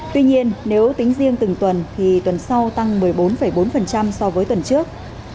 tuy nhiên nếu tính riêng từng tuần thì tuần sau tăng một mươi bốn bốn so với tuần trước